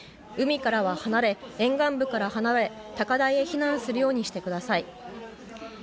海からは離れ沿岸部から離れ、高台に避難するようにしてください。